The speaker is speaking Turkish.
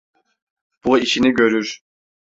Bu işini görür.